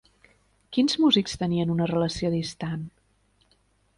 Quins músics tenien una relació distant?